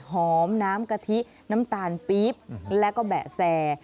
น้ำกะทิน้ำตาลปี๊บแล้วก็แบะแซ